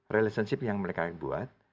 relationship yang mereka buat